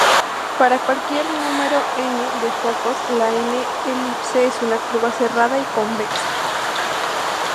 Para cualquier número "n" de focos, la "n"-elipse es una curva cerrada y convexa.